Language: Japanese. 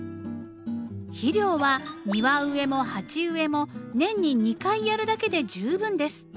肥料は庭植えも鉢植えも年に２回やるだけで十分です。